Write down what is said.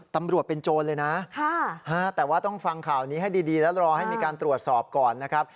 ตำรวจเป็นโจรเลยนะแต่ว่าต้องฟังข่าวนี้ให้ดีแล้วรอให้มีการตรวจสอบก่อนนะครับ